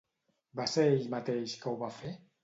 Va ser ell mateix que ho va fer?